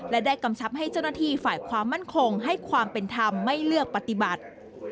และได้กำชับให้เจ้าหน้าที่ฝ่ายความมั่นคงให้ความเป็นธรรมไม่เลือกปฏิบัติ